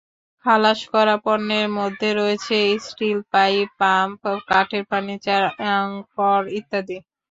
খালাস করা পণ্যের মধ্যে রয়েছে স্টিল পাইপ, পাম্প, কাঠের ফার্নিচার, অ্যাংকর ইত্যাদি।